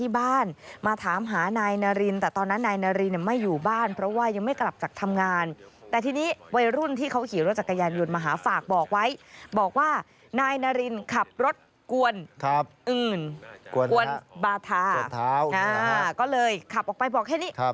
บอกว่านายนารินขับรถกวนอื่นกวนบาทาก็เลยขับออกไปบอกแค่นี้